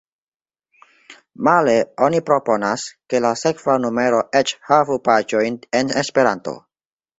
Male oni proponas, ke la sekva numero eĉ havu paĝojn en Esperanto.